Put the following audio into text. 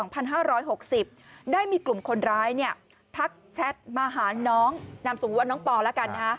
ได้มีกลุ่มคนร้ายทักแชทมาหาน้องนามสมมุติว่าน้องปอแล้วกัน